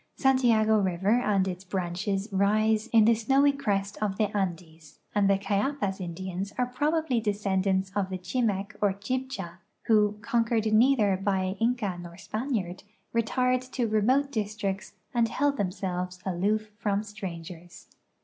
Santiago river and its branches rise in the snowy crest of the Andes, and the Cayapas Indians are })robably descendants of the Chimec or Chibcha, who, conquered neither by Inca nor Spaniard, retired to remote districts and held themselves aloof from strangers.